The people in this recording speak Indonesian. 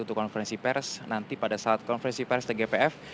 untuk konferensi pers nanti pada saat konferensi pers tgpf